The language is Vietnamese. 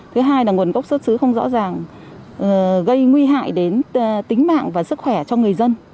thứ hai là nguồn gốc xuất xứ không rõ ràng gây nguy hại đến tính mạng và sức khỏe cho người dân